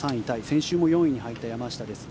先週も４位に入った山下です。